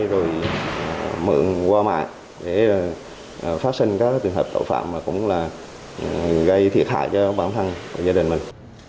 rồi mượn qua mạng để phát sinh các trường hợp tội phạm mà cũng là gây thiệt hại cho bản thân và gia đình mình